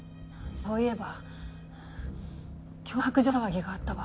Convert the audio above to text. そういえば脅迫状騒ぎがあったわ。